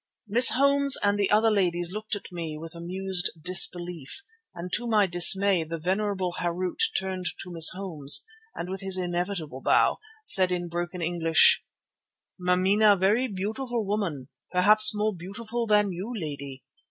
Miss Holmes and the other ladies looked at me with amused disbelief, and to my dismay the venerable Harût turned to Miss Holmes, and with his inevitable bow, said in broken English: "Mameena very beautiful woman, perhaps more beautiful than you, lady.